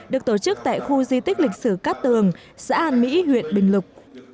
được tổ chức tại khu di tích lịch sử cát tường xã an mỹ huyện bình lục